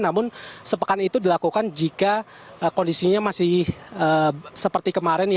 namun sepekan itu dilakukan jika kondisinya masih seperti kemarin